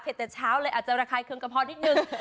แต่เช้าเลยอาจจะระคายเครื่องกระเพาะนิดนึง